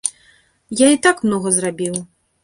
Я і так многа зрабіў.